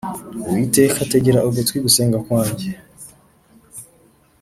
Uwiteka tegera ugutwi gusenga kwanjye